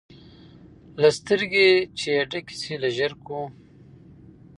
لکه سترګي چي یې ډکي سي له ژرګو